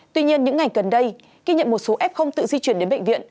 tuy nhiên những ngày gần đây ghi nhận một số f không tự di chuyển đến bệnh viện